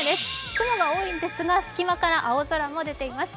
雲が多いんですが隙間から青空も出ています。